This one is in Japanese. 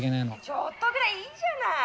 「ちょっとぐらいいいじゃない！